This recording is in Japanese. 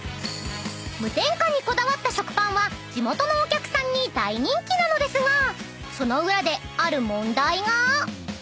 ［無添加にこだわった食パンは地元のお客さんに大人気なのですがその裏である問題が］